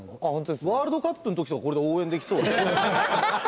ワールドカップの時とかこれで応援できそうですよね。